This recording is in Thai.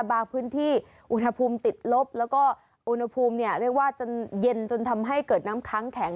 บางพื้นที่อุณหภูมิติดลบแล้วก็อุณหภูมิเรียกว่าจนเย็นจนทำให้เกิดน้ำค้างแข็ง